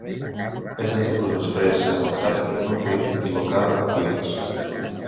És de tipus exprés a Manhattan i Brooklyn i local a Queens.